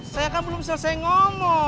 saya kan belum selesai ngomong